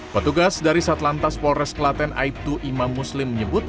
petugas dari satlantas polres klaten aibtu imam muslim menyebut